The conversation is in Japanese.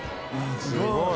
「すごい。